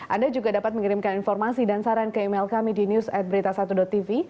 anda juga dapat mengirimkan informasi dan saran ke email kami di news ad berita satu tv